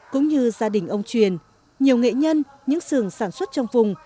cũng như gia đình ông truyền nhiều nghệ nhân những sườn sản xuất trong vùng